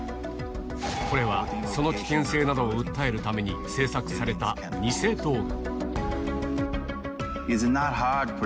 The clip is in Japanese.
これは、その危険性などを訴えるために制作された偽動画。